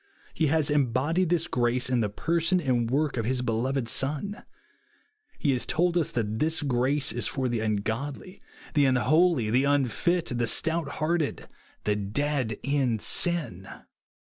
He has embodied this grace in the person and work of his be loved Son. He has told us that this grace i? for the l^:lgodly. the unholy, the unfit, the stouthearted, the dead in sin.